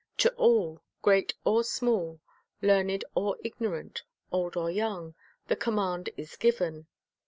To all, great or small, learned or ignorant, old or young, the command is given.